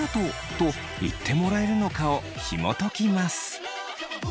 と言ってもらえるのかをひもときます。